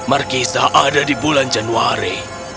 markisa ada di bulan januari